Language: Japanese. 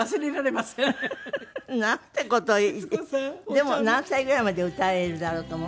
でも何歳ぐらいまで歌えるだろうと思う？